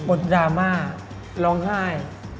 ดราม่าร้องไห้